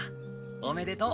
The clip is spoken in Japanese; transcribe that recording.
おめでとう